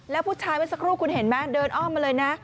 แล้วผู้ชายเมื่อสักครู่คุณเห็นไหมเดินอ้อมมาเลยนะ